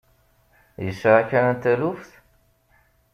Yesɛa kra n taluft?